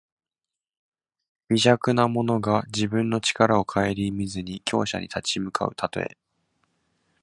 微弱な者が自分の力をかえりみずに強者に立ち向かうたとえ。